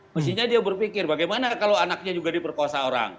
mestinya dia berpikir bagaimana kalau anaknya juga diperkosa orang